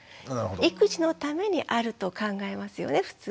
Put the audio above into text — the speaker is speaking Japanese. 育児のためにあると考えますよね普通。